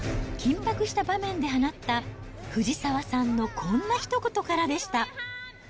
緊迫した場面で放った、藤澤さんのこんなひと言からでした。